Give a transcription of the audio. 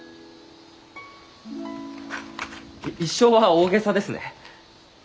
「一生」は大げさですね。